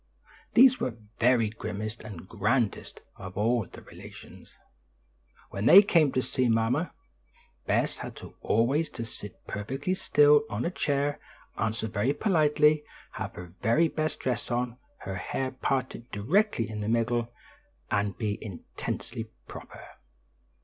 These were the very grimmest and grandest of all the relations. When they came to see mamma, Bess had always to sit perfectly still on a chair, answer very politely, have her very best dress on, her hair parted directly in the middle and be intensely proper.